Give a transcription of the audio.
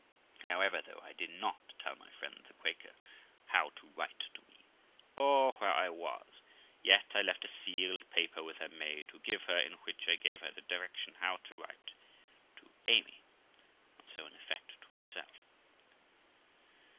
However, though I did not tell my friend the Quaker how to write to me, or where I was, yet I left a sealed paper with her maid to give her, in which I gave her a direction how to write to Amy, and so, in effect, to myself.